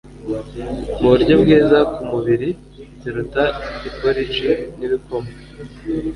mu buryo bwiza ku mubiri, ziruta iporici n’ibikoma.